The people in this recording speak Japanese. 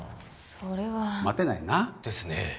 それは待てないなですねえ